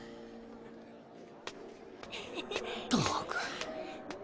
ったく。